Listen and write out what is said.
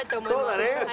そうだね。